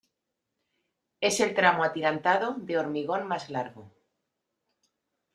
Es el tramo atirantado de hormigón más largo.